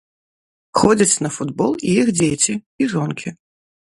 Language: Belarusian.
Ходзяць на футбол і іх дзеці, і жонкі.